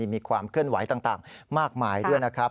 มีความเคลื่อนไหวต่างมากมายด้วยนะครับ